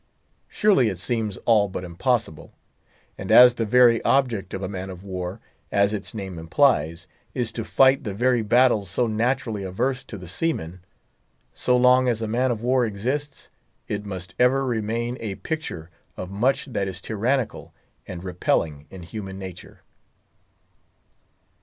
Surely it seems all but impossible. And as the very object of a man of war, as its name implies, is to fight the very battles so naturally averse to the seamen; so long as a man of war exists, it must ever remain a picture of much that is tyrannical and repelling in human nature.